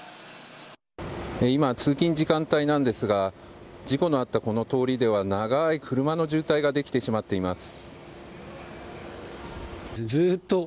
今、通勤時間帯なんですが事故のあったこの通りでは長い車の渋滞ができてしまっています。